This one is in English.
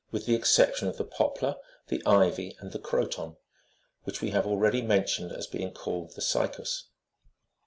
with the exception of the poplar, the ivy, and the croton, which we have already mentioned as being called the "cicus."